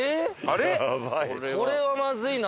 あれ？